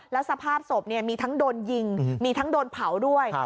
และสภาพสมพเนี่ยมีทั้งโดนยิงมีทั้งโดนเผาด้วย